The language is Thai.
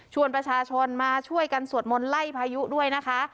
ประชาชนมาช่วยกันสวดมนต์ไล่พายุด้วยนะคะ